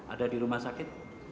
ada di rumah sakit